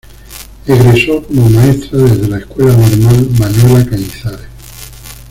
Egresó como maestra desde la Escuela Normal Manuela Cañizares.